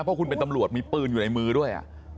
เพราะคุณเป็นตำรวจมีปืนอยู่ในมือด้วย